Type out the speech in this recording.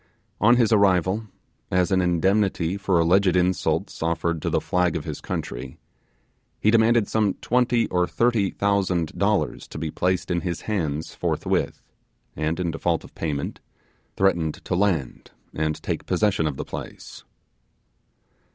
On his arrival, as an indemnity for alleged insults offered to the flag of his country, he demanded some twenty or thirty thousand dollars to be placed in his hands forthwith, and in default of payment, threatened to land and take possession of the place.